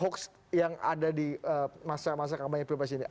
hoax yang ada di masa masa kampanye pilpres ini